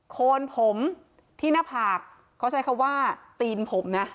โคนผมที่หน้าผากเขาใช้คำว่าตีนผมนะ